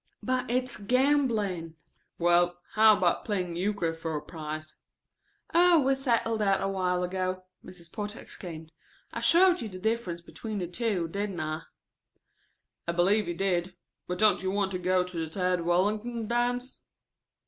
"But it's gambling." "Well, how about playing euchre for a prize?" "Oh we settled that a while ago," Mrs. Porter exclaimed. "I showed you the difference between the two, didn't I?" "I believe you did. But don't you want to go to the Tad Wallington dance?"